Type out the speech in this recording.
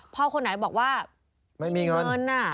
คนไหนบอกว่าไม่มีเงิน